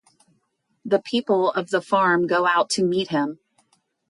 The people of the farm go out to meet him.